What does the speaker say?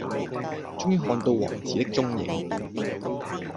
終於看到王子的踪影